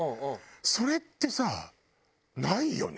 それってさないよね？